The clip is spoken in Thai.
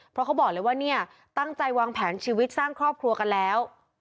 เพราะเขาบอกเลยว่าเนี่ยตั้งใจวางแผนชีวิตสร้างครอบครัวกันแล้ว